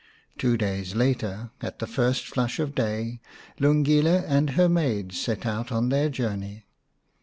Two days later, at the first flush of day, Lungile and her maids set out on their journey.